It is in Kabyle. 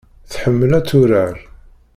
Tḥemmel ad turar.